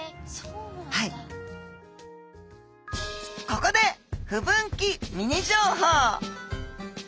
ここで不分岐ミニ情報。